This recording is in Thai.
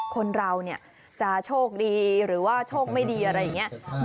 คนเราเนี่ยจะโชคดีหรือว่าโชคไม่ดีอะไรอย่างนี้